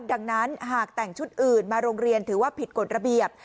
ดังนั้นหากแต่งชุดอื่นมาโรงเรียนถือว่าผิดกฎระเบียบ